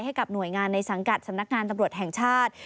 ให้กับหน่วยงานในสังกัดสำนักงานตำรวจแห่งชาติ